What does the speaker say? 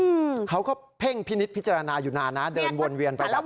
อืมเขาก็เพ่งพินิษฐพิจารณาอยู่นานนะเดินวนเวียนไปแบบ